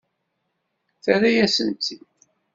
Terra-yasen-tt-id.